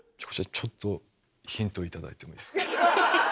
ちょっとヒントを頂いてもいいですか？